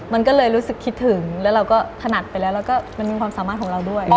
มันก็เลยรู้สึกคิดถึงแล้วเราก็ถนัดไปแล้วแล้วก็มันมีความสามารถของเราด้วย